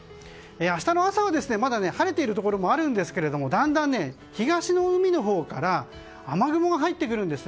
明日の朝はまだ晴れているところもあるんですけどもだんだん東の海のほうから雨雲が入ってくるんです。